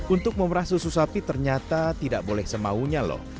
untuk memerah susu sapi ternyata tidak boleh semaunya loh